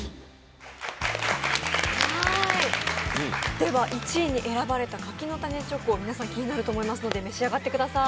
では、１位に選ばれた柿の種チョコ、皆さん、気になると思いますので、召し上がってください。